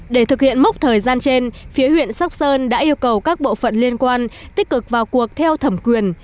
để thực hiện mốc thời gian trên phía huyện sóc sơn đã yêu cầu các bộ phận liên quan tích cực vào cuộc theo thẩm quyền